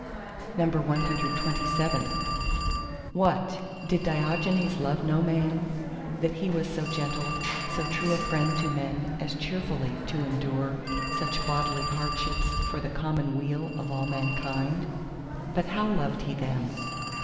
CXXVIII What, did Diogenes love no man, he that was so gentle, so true a friend to men as cheerfully to endure such bodily hardships for the common weal of all mankind? But how loved he them?